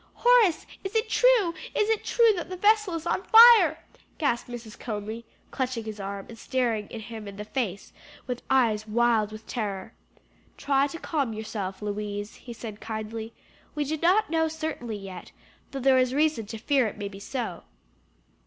"Horace, is it true? is it true that the vessel is on fire?" gasped Mrs. Conly, clutching his arm and staring him in the face with eyes wild with terror. "Try to calm yourself, Louise," he said kindly. "We do not know certainly yet, though there is reason to fear it may be so."